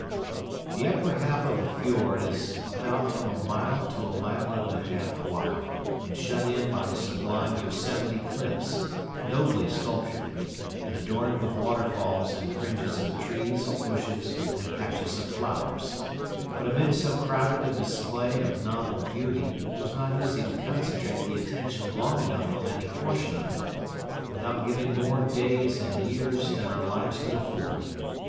The upper half of the fiord is about from a mile to a mile and a half wide, and shut in by sublime Yosemite cliffs, nobly sculptured, and adorned with waterfalls and fringes of trees, bushes, and patches of flowers; but amid so crowded a display of novel beauty it was not easy to concentrate the attention long enough on any portion of it without giving more days and years than our lives could afford.